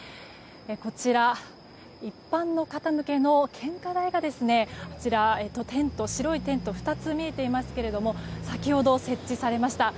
こちら、一般の方向けの献花台が白いテントが２つ見えていますけれども先ほど設置されました。